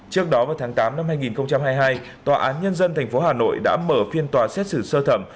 trước đó vào tháng tám năm hai nghìn hai mươi hai tòa án nhân dân tp hà nội đã mở phiên tòa xét xử sơ thẩm